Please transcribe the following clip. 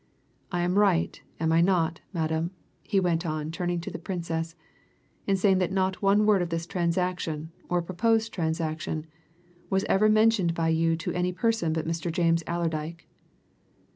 "I am right, am I not, madame," he went on, turning to the Princess, "in saying that not one word of this transaction, or proposed transaction, was ever mentioned by you to any person but Mr. James Allerdyke?"